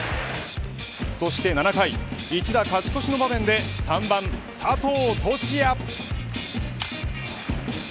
そして７回一打勝ち越しの場面で３番、佐藤都志也。